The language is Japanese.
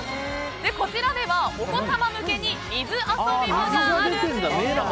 こちらには、お子様向けに水遊び場があるんです。